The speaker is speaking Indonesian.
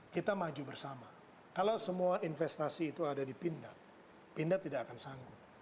kita maju bersama kalau semua investasi itu ada dipindah pindah tidak akan sanggup